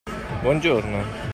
Buongiorno!